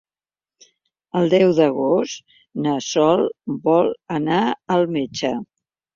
El deu d'agost na Sol vol anar al metge.